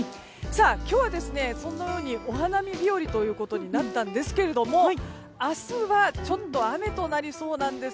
今日はお花見日和となったんですが明日は雨となりそうなんです。